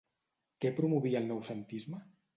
Què promovia el noucentisme?